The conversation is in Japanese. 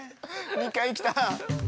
◆２回来た。